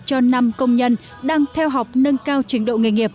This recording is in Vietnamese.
cho năm công nhân đang theo học nâng cao trình độ nghề nghiệp